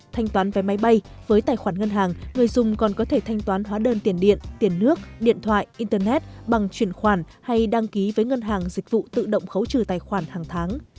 thanh toán vé máy bay với tài khoản ngân hàng người dùng còn có thể thanh toán hóa đơn tiền điện tiền nước điện thoại internet bằng chuyển khoản hay đăng ký với ngân hàng dịch vụ tự động khấu trừ tài khoản hàng tháng